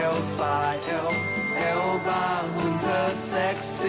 อื้อฮือ